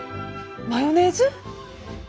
マヨネーズ？